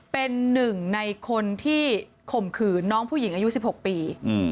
เป็นหนึ่งในคนที่ข่มขืนน้องผู้หญิงอายุ๑๖ปี